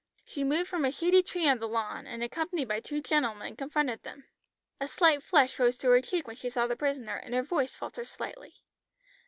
She moved from a shady tree on the lawn, and accompanied by two gentlemen confronted them. A slight flush rose to her cheek when she saw the prisoner, and her voice faltered slightly.